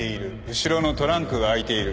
後ろのトランクが開いている。